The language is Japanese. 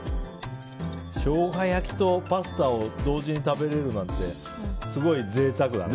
ショウガ焼きとパスタを同時に食べれるなんてすごい贅沢だね。